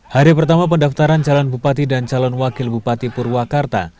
hari pertama pendaftaran calon bupati dan calon wakil bupati purwakarta